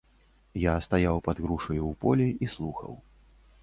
Я стаяў пад грушаю ў полі і слухаў.